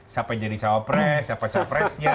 siapa yang jadi cawapres siapa capresnya